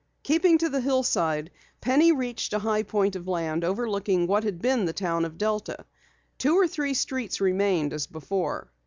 Keeping to the hillside, Penny reached a high point of land overlooking what had been the town of Delta. Two or three streets remained as before.